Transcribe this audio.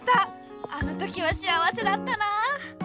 あの時は幸せだったなあ。